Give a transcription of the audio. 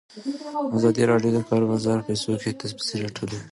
ازادي راډیو د د کار بازار په اړه د فیسبوک تبصرې راټولې کړي.